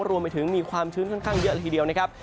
มีความชื้นค่อนข้างเยอะละทีเดียวนะครับ